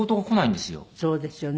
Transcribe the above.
そうですよね。